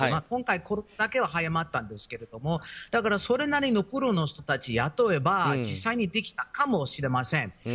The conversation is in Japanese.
今回、この会社は早まったんですけどそれなりにプロの人たちを雇えば実際にできたかもしれません。